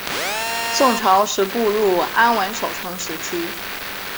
宋朝始步入安稳守成时期。